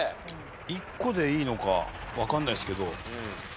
１個でいいのかわかんないですけど。